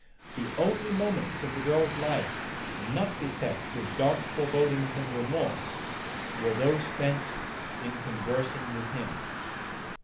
The only moments of the girl's life not beset with dark forebodings and remorse were those spent in conversing with him.